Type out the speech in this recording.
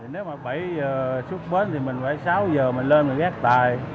nếu mà bảy h xuất bến thì mình phải sáu h mình lên mình gác tài